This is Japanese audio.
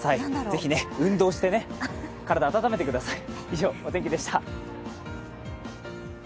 ぜひ運動して体を温めてください。